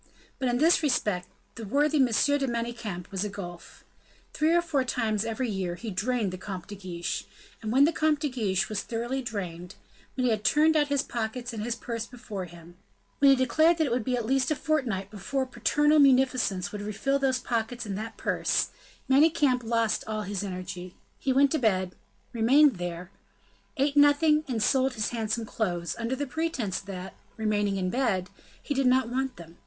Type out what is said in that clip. But, in this respect, the worthy M. de Manicamp was a gulf. Three or four times every year he drained the Comte de Guiche, and when the Comte de Guiche was thoroughly drained, when he had turned out his pockets and his purse before him, when he declared that it would be at least a fortnight before paternal munificence would refill those pockets and that purse, Manicamp lost all his energy, he went to bed, remained there, ate nothing and sold his handsome clothes, under the pretense that, remaining in bed, he did not want them.